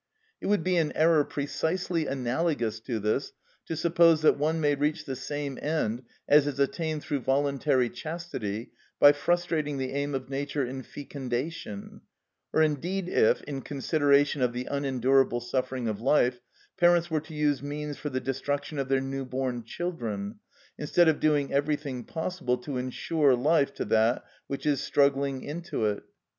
It would be an error precisely analogous to this to suppose that one may reach the same end as is attained through voluntary chastity by frustrating the aim of nature in fecundation; or indeed if, in consideration of the unendurable suffering of life, parents were to use means for the destruction of their new born children, instead of doing everything possible to ensure life to that which is struggling into it.